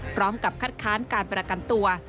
พร้อมกับคัดค้านการประกันตัว